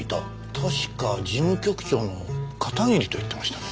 確か事務局長の片桐と言ってましたね。